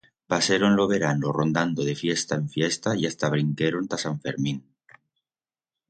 Paseron lo verano rondando de fiesta en fiesta y hasta brinqueron ta Sant Fermín.